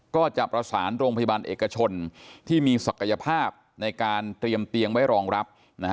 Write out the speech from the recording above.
ก็จะประสานโรงพยาบาลเอกชนที่มีศักยภาพในการเตรียมเตียงไว้รองรับ